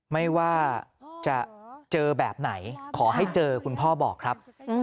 ไม่ว่าจะเจอแบบไหนขอให้เจอคุณพ่อบอกครับ